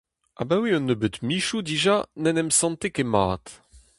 Abaoe un nebeud mizioù dija n'en em sante ket mat.